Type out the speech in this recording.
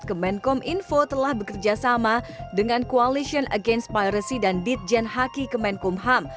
kemenkom info telah bekerjasama dengan coalition against piracy dan ditjen haki kemenkumham